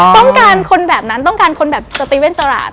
ต้องการคนแบบนั้นต้องการคนแบบสติเว่นจราด